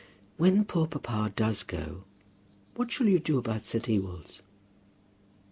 "When poor papa does go, what shall you do about St. Ewold's?"